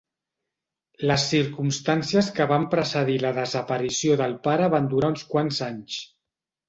Les circumstàncies que van precedir la desaparició del pare van durar uns quants anys.